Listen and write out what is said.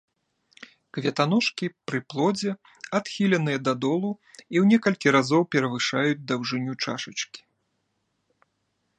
Кветаножкі пры плодзе адхіленыя дадолу і ў некалькі разоў перавышаюць даўжыню чашачкі.